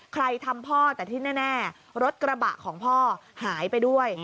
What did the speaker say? ใครทำพ่อแต่ที่แน่รถกระบะของพ่อหายไปด้วย